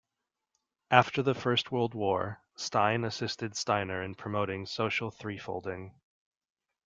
After the First World War, Stein assisted Steiner in promoting Social Threefolding.